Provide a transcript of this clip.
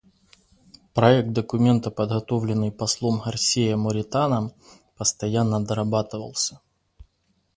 Проект документа, подготовленный послом Гарсией Моританом, постоянно дорабатывался.